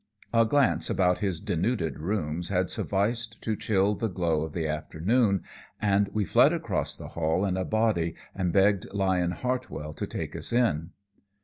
A glance about his denuded rooms had sufficed to chill the glow of the afternoon, and we fled across the hall in a body and begged Lyon Hartwell to take us in.